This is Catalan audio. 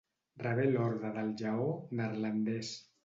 Rebé l'Orde del Lleó Neerlandès.